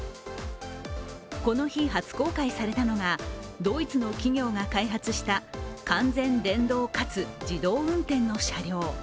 この日、初公開されたのがドイツの企業が開発した完全電動かつ自動運転の車両。